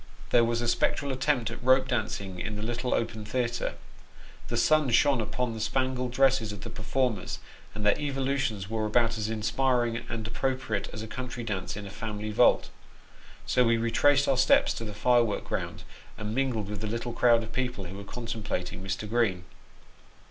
There was a spectral attempt at rope dancing in the little open theatre. The sun shone upon the spangled dresses of the performers, and their evolutions were about as inspirit ing and appropriate as a country dance in a family vault. So wo retraced our steps to the firework ground, and mingled with the little crowd of people who were contemplating Mr. Green.